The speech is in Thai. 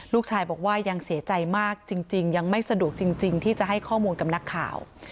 ลูกชายบอกว่ายังเสียใจมากจริงยังไม่สะดวกจริงที่จะให้ข้อมูลกับนักข่าว